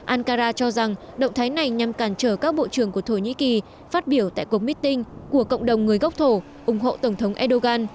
ankara cho rằng động thái này nhằm cản trở các bộ trưởng của thổ nhĩ kỳ phát biểu tại cuộc meeting của cộng đồng người gốc thổ ủng hộ tổng thống erdogan